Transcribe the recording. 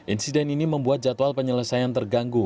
insiden ini membuat jadwal penyelesaian terganggu